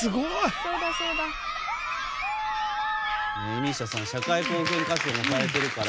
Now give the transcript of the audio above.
ＭＩＳＩＡさんは社会貢献活動もされてるから。